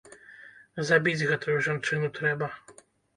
Забіць гэтую жанчыну трэба.